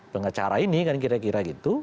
pengacara ini kan kira kira gitu